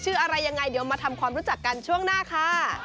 อะไรยังไงเดี๋ยวมาทำความรู้จักกันช่วงหน้าค่ะ